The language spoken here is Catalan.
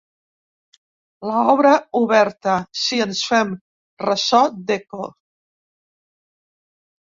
L'obra oberta, si ens fem ressò d'Eco.